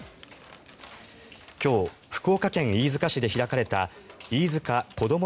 今日、福岡県飯塚市で開かれた飯塚こども